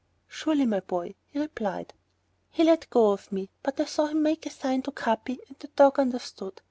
"Surely, my boy," he replied. He let go of me, but I saw him make a sign to Capi and the dog understood.